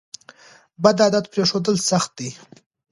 بد عادت پریښودل سخت دي.